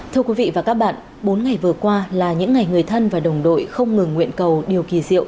thưa quý vị và các bạn bốn ngày vừa qua là những ngày người thân và đồng đội không ngừng nguyện cầu điều kỳ diệu